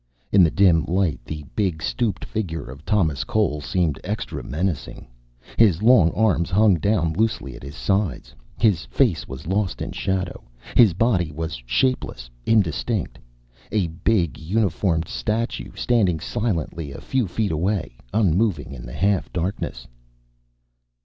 In the dim light the big stooped figure of Thomas Cole seemed extra menacing. His long arms hung down loosely at his sides. His face was lost in shadow. His body was shapeless, indistinct. A big unformed statue, standing silently a few feet away, unmoving in the half darkness.